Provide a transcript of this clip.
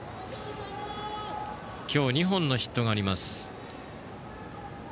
今日２本のヒットがあります。